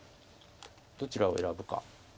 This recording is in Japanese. どちらを選ぶか。